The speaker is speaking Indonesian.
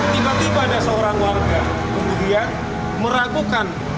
tiba tiba ada seorang warga kemudian meragukan